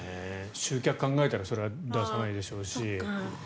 集客を考えたらそれは出さないでしょうし。